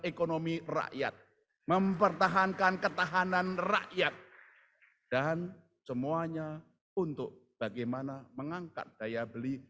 ekonomi rakyat mempertahankan ketahanan rakyat dan semuanya untuk bagaimana mengangkat daya beli